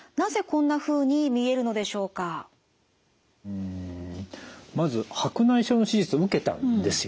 続いてまず白内障の手術を受けたんですよね。